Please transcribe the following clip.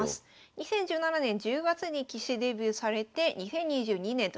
２０１７年１０月に棋士デビューされて２０２２年と２０２３年ご覧ください。